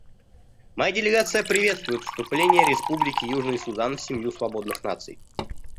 Моя делегация приветствует вступление Республики Южный Судан в семью свободных наций.